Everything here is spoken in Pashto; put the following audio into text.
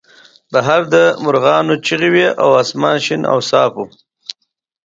بهر د مرغانو چغې وې او اسمان شین او صاف و